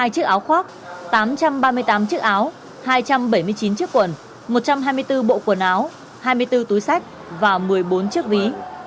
một chín trăm linh hai chiếc áo khoác tám trăm ba mươi tám chiếc áo hai trăm bảy mươi chín chiếc quần một trăm hai mươi bốn bộ quần áo hai mươi bốn túi sách và một mươi bốn chiếc ví